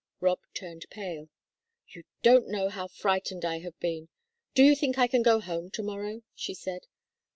Rob turned pale. "You don't know how frightened I have been. Do you think I can go home to morrow?" she said.